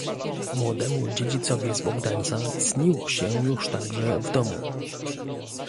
"Młodemu dziedzicowi z Bogdańca „cniło się“ już także w domu."